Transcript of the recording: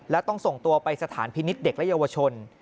และต้องส่งตัวไปสถานพินิษฐ์เด็กและเยาวชน